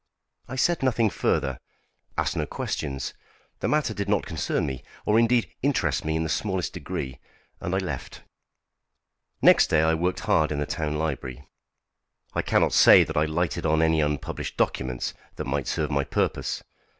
I said nothing further; asked no questions. The matter did not concern me, or indeed interest me in the smallest degree; and I left. Next day I worked hard in the town library. I cannot say that I lighted on any unpublished documents that might serve my purpose.